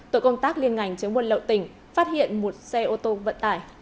tội công tác liên ngành chống buôn lậu tỉnh phát hiện một xe ô tô vận tải